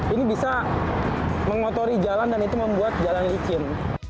ini bisa mengotori jalan dan itu membuat jalan licin